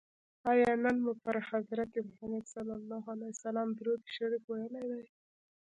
آیا نن مو پر حضرت محمد صلی الله علیه وسلم درود شریف ویلي دی؟